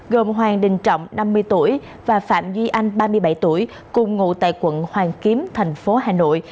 gồm hoàng đình trọng và phạm duy anh cùng ngụ tại quận hoàng kiếm thành phố hà nội